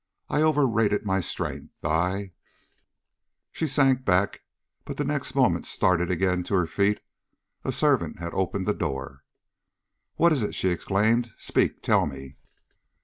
I overrated my strength. I " She sank back, but the next moment started again to her feet: a servant had opened the door. "What is it!" she exclaimed; "speak, tell me."